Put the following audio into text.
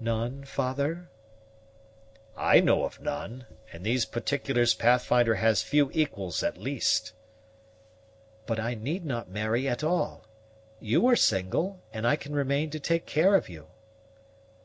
"None father?" "I know of none; in these particulars Pathfinder has few equals at least." "But I need not marry at all. You are single, and I can remain to take care of you."